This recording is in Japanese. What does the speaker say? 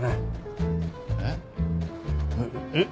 えっ？えっ！